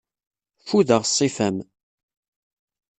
Ffudeɣ ṣṣifa-m.